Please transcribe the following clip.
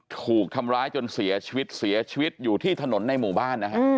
ถูกทำร้ายจนเสียชีวิตเสียชีวิตอยู่ที่ถนนในหมู่บ้านนะฮะ